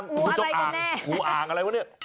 งูจงอ่างงูอะไรกันเนี่ย